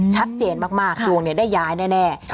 ชัดเจนมากดวงได้ย้ายแน่